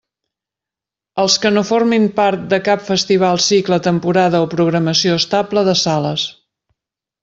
Els que no formin part de cap festival, cicle, temporada o programació estable de sales.